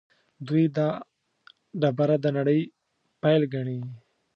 دوی دا ډبره د نړۍ پیل ګڼي.